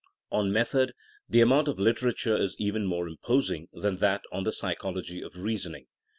On method, the amount of literature is even more imposing than that on the psychology of reasoning.